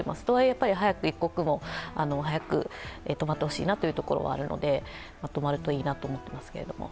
とはいえ一刻も早くまとまってほしいなというのはあるので止まるといいなと思っていますけど。